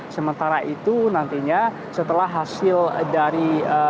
sementara itu nantinya setelah hasil dari